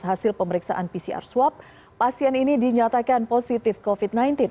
hasil pemeriksaan pcr swab pasien ini dinyatakan positif covid sembilan belas